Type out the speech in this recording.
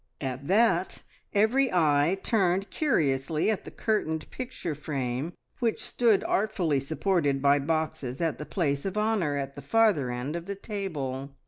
At that every eye turned curiously at the curtained picture frame which stood artfully supported by boxes at the place of honour at the farther end of the table.